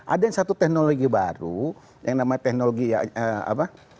ada satu teknologi baru yang namanya teknologi ya apa